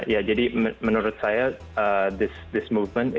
ya jadi menurut saya ya jadi menurut saya